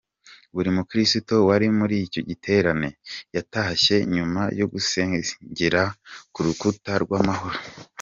Buri mukristo wari muri icyo giterane, yatashye nyuma yo gusengera ku rukuta rw'amahoro.